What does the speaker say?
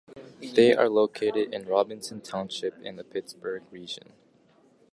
They are located in Robinson Township in the Pittsburgh region.